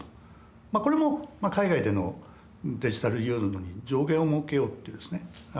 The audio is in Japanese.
これも海外でのデジタルユーロに上限をもうけようっていうですね